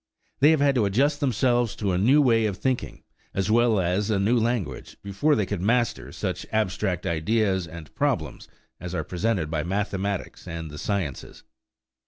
They have had to adjust themselves to a new way of thinking, as well as a new language, before they could master such abstract ideas and problems as are presented by mathematics and the sciences.